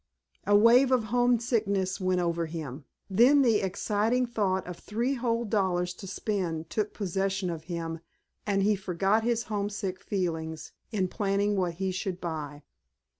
A wave of homesickness went over him, then the exciting thought of three whole dollars to spend took possession of him and he forgot his homesick feelings in planning what he should buy.